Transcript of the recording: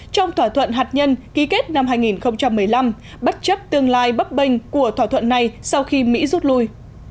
trong thỏa thuận hạt nhân ký kết năm hai nghìn một mươi năm bất chấp tương lai bấp bênh của thỏa thuận này sau khi mỹ rút lui